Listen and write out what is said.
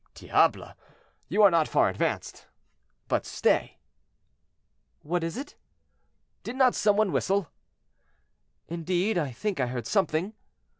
"Diable! you are not far advanced. But stay." "What is it?" "Did not some one whistle?" "Indeed, I think I heard something."